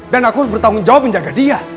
dan aku bertanggung jawab menjaga dia